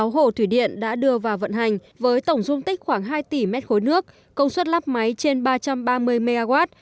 sáu hồ thủy điện đã đưa vào vận hành với tổng dung tích khoảng hai tỷ m ba nước công suất lắp máy trên ba trăm ba mươi mw